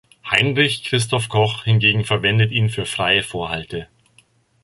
Heinrich Christoph Koch hingegen verwendet ihn für freie Vorhalte.